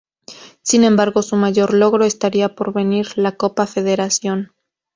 Sin embargo, su mayor logro estaría por venir: la Copa Federación.